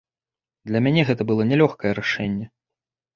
Для мяне гэта было нялёгкае рашэнне.